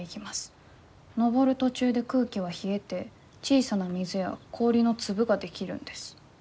のぼる途中で空気は冷えて小さな水や氷のつぶができるんです」。